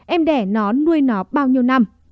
em đẻ nó nuôi nó bao nhiêu năm